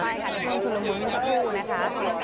ใช่ค่ะร่วมฝึ่งลมมุนผมครับเพื่อนกูนะครับ